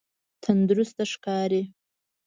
تندرسته ښکاری؟